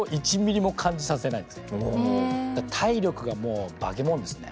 体力がもう化け物ですね。